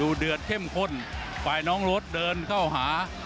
ดูดเหนือก้นฝ่ายน้องรถเดินเข้าหา